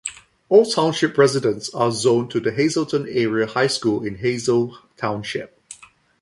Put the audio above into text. All township residents are zoned to the Hazleton Area High School in Hazle Township.